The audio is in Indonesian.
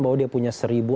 bahwa dia punya seribu